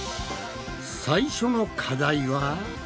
最初の課題は。